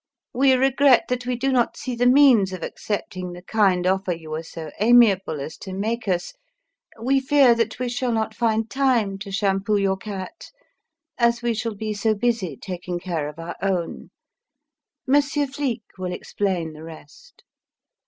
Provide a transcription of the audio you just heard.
We regret that we do not see the means of accepting the kind offer you were so amiable as to make us. We fear that we shall not find time to shampoo your cat, as we shall be so busy taking care of our own. Monsieur Flique will explain the rest.